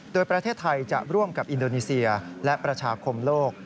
โดยประเทศไทยจะร่วมกับอินโดนีเซียและประชาคมโลก